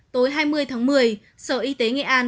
tối hai mươi tháng một mươi sở y tế nghệ an